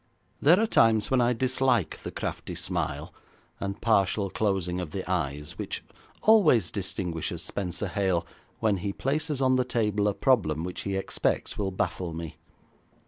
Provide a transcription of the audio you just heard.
There are times when I dislike the crafty smile and partial closing of the eyes which always distinguishes Spenser Hale when he places on the table a problem which he expects will baffle me.